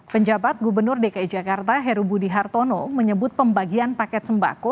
penjabat gubernur dki jakarta heru budi hartono menyebut pembagian paket sembako